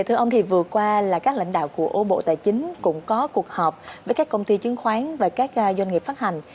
thưa ông vừa qua các lãnh đạo của bộ tài chính cũng có cuộc họp với các công ty chứng khoán và các doanh nghiệp phát hành